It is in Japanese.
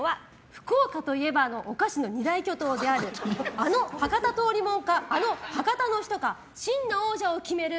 福岡といえばお菓子の二大巨塔であるあの博多通りもんかあの博多の女か真の王者を決める